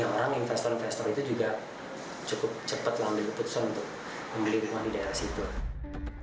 orang investor investor itu juga cukup cepat mengambil keputusan untuk membeli rumah di daerah situ